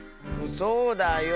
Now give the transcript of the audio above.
そうだよ。